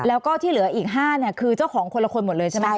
แล้วก็ที่เหลืออีก๕คือชั่วของคนละคนหมดเลยใช่ไหมคะ